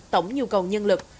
tổng nhu cầu nhân lực